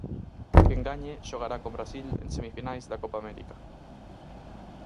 Quen gañe xogará con Brasil en semifinais da Copa América.